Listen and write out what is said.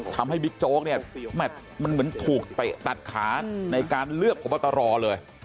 ทำให้บิ๊กโจ๊กมันเหมือนถูกตัดขาในการเลือกของบัตรรอเลย